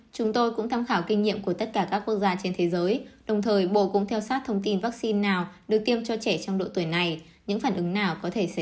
chúng tôi cũng tham khảo kinh nghiệm của tất cả các quốc gia trên thế giới đồng thời bổ cũng theo sát thông tin vaccine nào được tiêm cho trẻ trong độ tuổi này những phản ứng nào có thể xảy ra